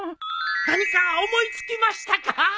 何か思い付きましたか？